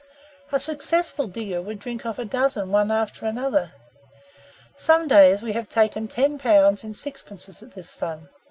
A successful digger would drink off a dozen one after another. Some days, we have taken ten pounds in sixpences at this fun.